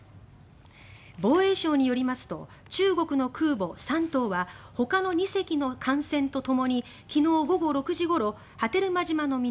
防衛省によりますと中国の空母「山東」はほかの２隻の艦船とともに昨日午後６時ごろ波照間島の南